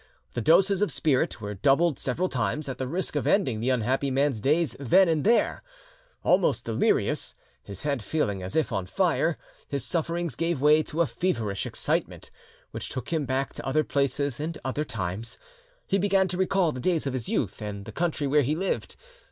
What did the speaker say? The doses of spirit were doubled several times, at the risk of ending the unhappy man's days then and there: Almost delirious, his head feeling as if on fire, his sufferings gave way to a feverish excitement, which took him back to other places and other times: he began to recall the days of his youth and the country where he lived.